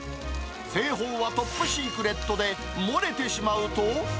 製法はトップシークレットで、漏れてしまうと。